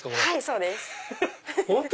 はいそうです。